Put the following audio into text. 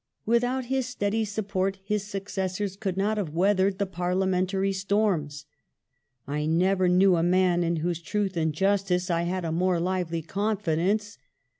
Without his steady support his " successors could not have weathered the f)arliamentary storms. I never knew a man in whose truth and justice I had a more lively confidence."